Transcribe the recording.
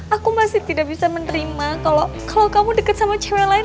aku masih tidak bisa menerima kalau kamu dekat sama cewek lain